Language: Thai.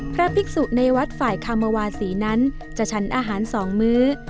พระภิกษุในวัดฝ่ายคามวาศีนั้นจะฉันอาหารสองมื้อ